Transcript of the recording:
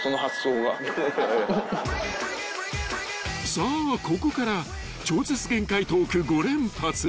［さあここから超絶限界トーク５連発］